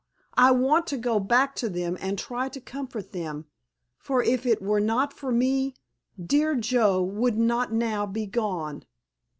I want to go back to them and try to comfort them, for if it were not for me dear Joe would not now be gone."